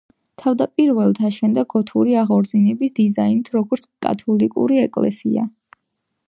თავდაპირველად აშენდა გოთური აღორძინების დიზაინით, როგორც კათოლიკური ეკლესია.